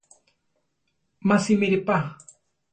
Má simire pa.